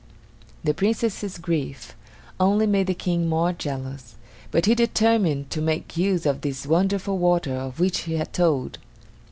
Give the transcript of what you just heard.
The Princess's grief only made the King more jealous, but he determined to make use of this wonderful water of which she had told.